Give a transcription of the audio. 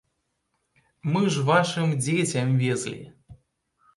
Мы ж вашым дзецям везлі!